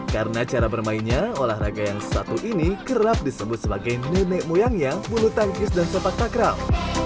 karena cara bermainnya olahraga yang satu ini kerap disebut sebagai nenek moyangnya bulu tangkis dan sepak takram